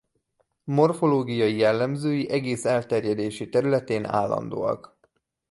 Morfológiai jellemzői egész elterjedési területén állandóak.